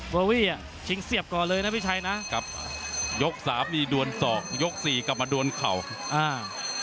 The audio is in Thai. อรี่อ่ะชิงเสียบก่อนเลยนะพี่ชัยนะครับยกสามนี่ดวนศอกยกสี่กลับมาดวนเข่าอ่า